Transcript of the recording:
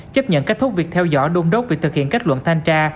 chấp nhận kết thúc việc theo dõi đôn đốc việc thực hiện kết luận thanh tra